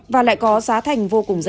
và lại có giá thành vô cùng rẻ